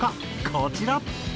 こちら。